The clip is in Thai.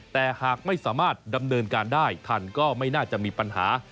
แต่หากไม่สามารถดำเนินการได้ทันก็ไม่น่าจะมีปัญหา